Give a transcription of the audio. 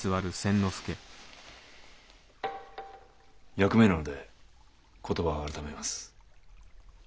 役目なので言葉を改めます。